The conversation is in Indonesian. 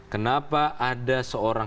kenapa ada seorang